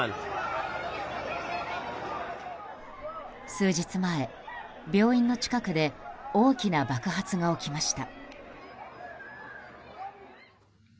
数日前、病院の近くで大きな爆発が起きました。